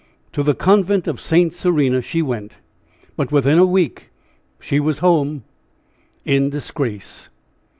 To the convent of St. Serena she went, but within a week she was home in disgrace.